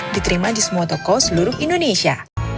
diterima di semua toko seluruh indonesia